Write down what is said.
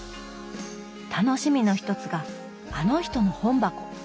楽しみの一つが「あの人の本箱」。